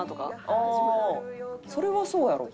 あそれはそうやろ。